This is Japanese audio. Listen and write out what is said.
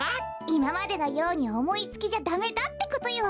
いままでのようにおもいつきじゃダメだってことよ。